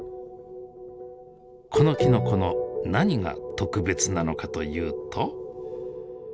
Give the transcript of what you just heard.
このきのこの何が特別なのかというと。